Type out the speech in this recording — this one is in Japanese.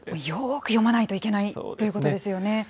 よーく読まないといけないということですよね。